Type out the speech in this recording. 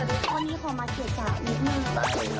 สวัสดีค่ะวันนี้พี่แก้เค้าสวัสดีค่ะ